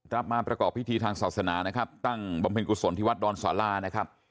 มาประกอบพิธีทางศาสนานะครับตั้งบำเพ็ญกุศลที่วัดดอนสารานะครับ